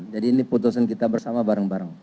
jadi ini putusan kita bersama bareng bareng